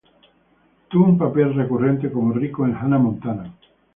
Tuvo un papel recurrente como Rico en "Hannah Montana".